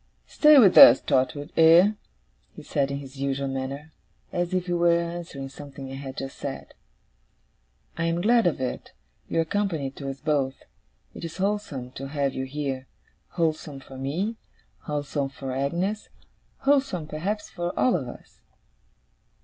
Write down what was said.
'Stay with us, Trotwood, eh?' he said in his usual manner, and as if he were answering something I had just said. 'I am glad of it. You are company to us both. It is wholesome to have you here. Wholesome for me, wholesome for Agnes, wholesome perhaps for all of us.